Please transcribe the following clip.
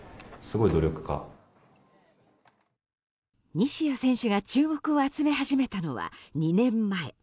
西矢選手が注目を集め始めたのは２年前。